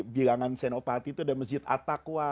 bilangan senopati itu ada masjid attaqwa